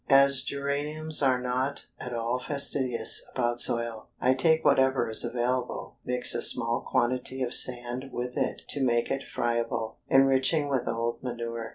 As geraniums are not at all fastidious about soil, I take whatever is available, mix a small quantity of sand with it to make it friable, enriching with old manure.